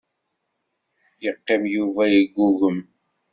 Yeqqim Yuba yeggugem.